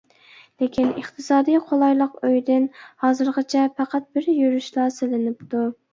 لېكىن ئىقتىسادى قولايلىق ئۆيدىن ھازىرغىچە پەقەت بىر يۈرۈشلا سېلىنىپتۇ.